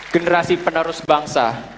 generasi penerus bangsa